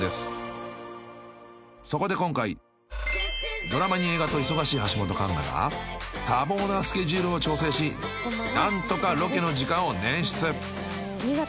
［そこで今回ドラマに映画と忙しい橋本環奈が多忙なスケジュールを調整し何とかロケの時間を捻出］